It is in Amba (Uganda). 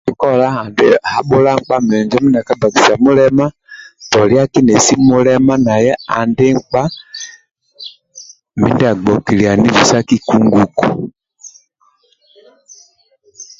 Ndie nkikola ali habhula nkpa monjo mindia aka bbakusia mulema toliaki nesi mulema naye andi nkpa mindia agbokiliani bisakiku nguko